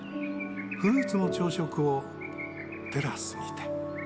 フルーツの朝食をテラスにて。